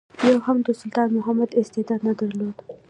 یو یې هم د سلطان محمود استعداد نه درلود.